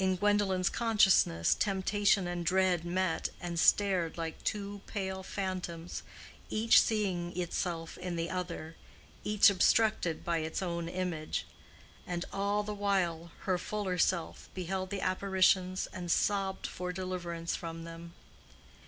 In Gwendolen's consciousness temptation and dread met and stared like two pale phantoms, each seeing itself in the other—each obstructed by its own image; and all the while her fuller self beheld the apparitions and sobbed for deliverance from them.